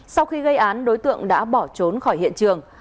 sau khi gây án đối tượng đã bỏ trốn khỏi hiện trường